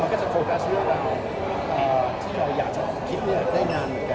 มันก็จะโฟกัสเอาหลายอย่างที่เราอยากจะคิดเนี่ยได้นานเหมือนกัน